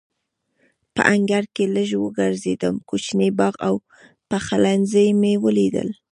په انګړ کې لږ وګرځېدم، کوچنی باغ او پخلنځی مې ولیدل.